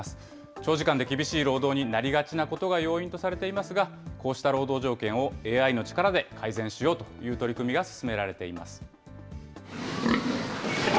長時間で厳しい労働になりがちなことが要因とされていますが、こうした労働条件をＡＩの力で改善しようという取り組みが進められています。